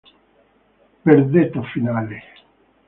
Verdetto finale